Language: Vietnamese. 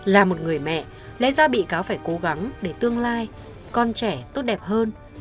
là một người mẹ lẽ ra bị cáo phải cố gắng để tương lai con trẻ tốt đẹp hơn